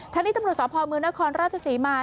ทั้งนี้ตำรวจสอบภอมือนครราชสีมา